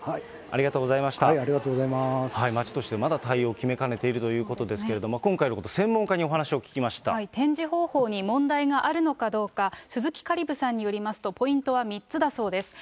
町としてまだ対応を決めかねているということですけれども、今回のこと、展示方法に問題があるのかどうか、鈴木香里武さんによりますと、ポイントは３つだそうです。